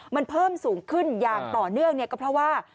มันเพิ่มสูงขึ้นอย่างต่อเนื่องเนี่ยก็เพราะว่า